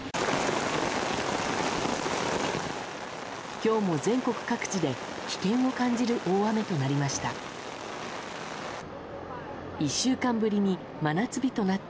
今日も全国各地で危険を感じる大雨となりました。